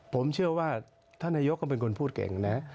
ผมเชื่อว่าท่านนายกก็เป็นคนพูดเก่งนะ